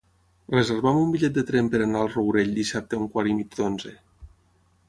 Reserva'm un bitllet de tren per anar al Rourell dissabte a un quart i mig d'onze.